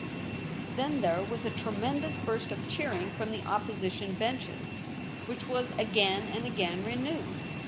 Then there was a tremendous burst of cheerinQf from the opposition benches, which was again and again renewed.